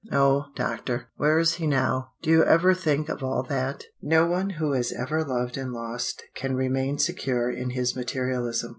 "Oh, Doctor where is he now? Do you ever think of all that? No one who has ever loved and lost can remain secure in his materialism.